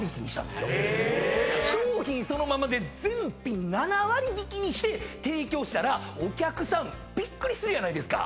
商品そのままで全品７割引きにして提供したらお客さんびっくりするやないですか。